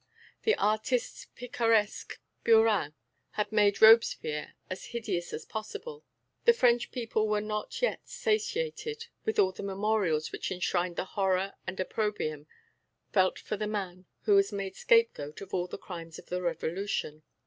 The artist's picaresque burin had made Robespierre as hideous as possible. The French people were not yet satiated with all the memorials which enshrined the horror and opprobrium felt for the man who was made scapegoat of all the crimes of the Revolution.